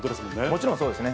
もちろんそうですね。